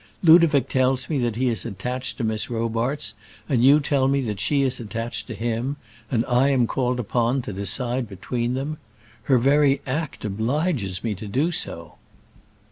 Ludovic tells me that he is attached to Miss Robarts, and you tell me that she is attached to him; and I am called upon to decide between them. Her very act obliges me to do so."